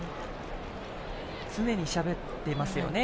常にしゃべっていますよね。